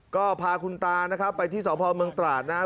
ก็พาคุณตานะครับไปที่สพเมืองตราดนะครับ